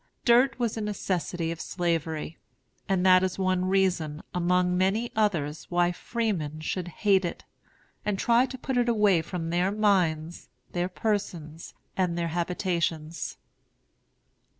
Dirt was a necessity of Slavery; and that is one reason, among many others, why freemen should hate it, and try to put it away from their minds, their persons, and their habitations.